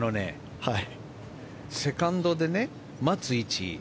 セカンドで、待つ位置